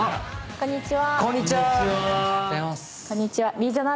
こんにちは。